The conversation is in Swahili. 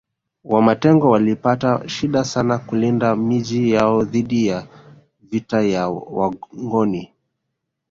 Wamatengo walipata shida sana kulinda Miji yao dhidi ya vita ya Wangoni